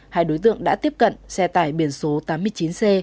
hai đối tượng đã tiếp cận xe tải biển số tám mươi chín c năm nghìn tám trăm sáu mươi